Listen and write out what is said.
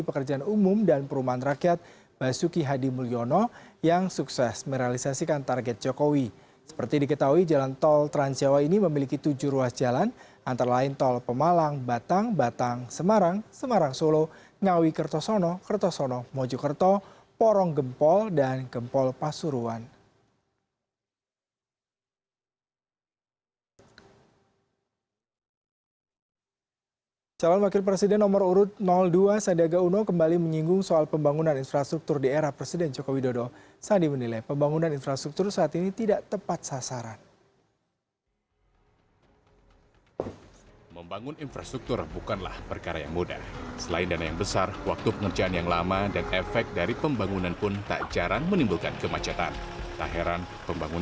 pembangunan infrastruktur saat ini tidak tepat sasaran